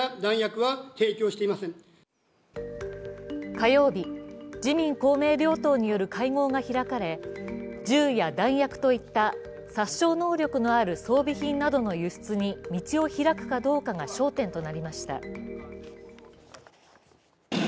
火曜日、自民・公明両党による会合が開かれ銃や弾薬といった殺傷能力のある装備品などの輸出に道を開くかどうかが焦点となりました。